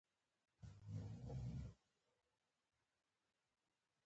د کوټي ښار د ښونکو سازمان کار بندي اعلان کړه